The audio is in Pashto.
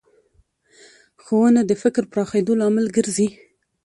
ښوونه د فکر پراخېدو لامل ګرځي